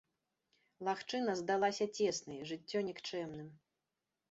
Лагчына здалася цеснай, жыццё нікчэмным.